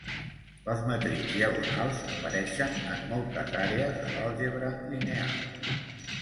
Les matrius diagonals apareixen en moltes àrees de l'àlgebra lineal.